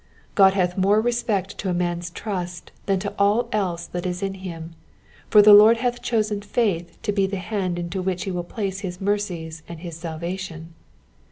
God hath more respect to a man's trust than to all else that is in him ; for the Lord hath chosen faith to be the band into which he will place his mercies and his salvation.